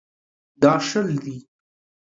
دا شل دي.